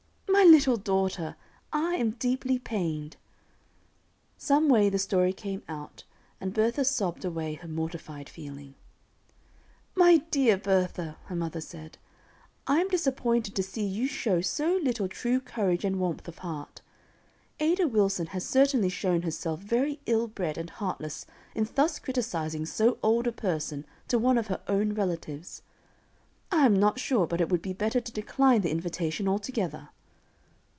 "My little daughter, I am deeply pained!" Some way the story came out, and Bertha sobbed away her mortified feeling. [Illustration: Grandma's Early Home in the Wilderness.] "My dear Bertha!" her mother said, "I am disappointed to see you show so little true courage and warmth of heart. Ada Wilson has certainly shown herself very ill bred and heartless in thus criticising so old a person to one of her own relatives. I am not sure but it would be better to decline the invitation altogether."